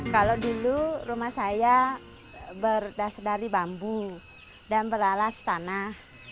kalau dulu rumah saya berdasar dari bambu dan beralas tanah